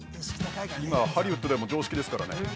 今、ハリウッドでも常識ですからね。